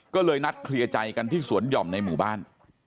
ก็เลยนัดเคลียร์ใจกันที่สวนหย่อมในหมู่บ้าน